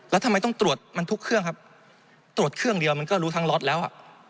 แล้วทำไมต้องตรวจมันทุกเครื่องครับตรวจเครื่องเดียวมันก็รู้ทั้งล็อตแล้วอ่ะ